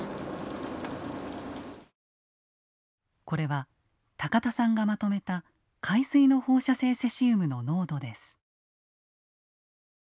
これは高田さんがまとめた海水の放射性セシウムの濃度です。